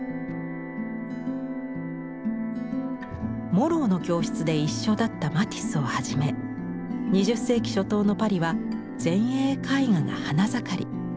モローの教室で一緒だったマティスをはじめ２０世紀初頭のパリは前衛絵画が花盛り。